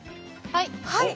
はい。